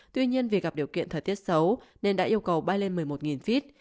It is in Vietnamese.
tuy nhiên vì gặp điều kiện thời tiết xấu nên đã yêu cầu bay lên một mươi một feet